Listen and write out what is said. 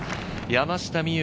山下美夢